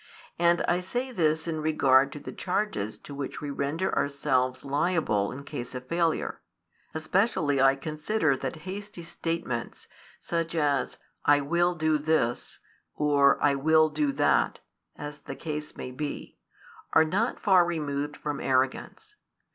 And I say this in regard to the charges to which we render ourselves liable in case of failure: especially I consider that hasty statements, such as "I will do this," or, "I will do that," as the case may be, are not far removed from arrogance.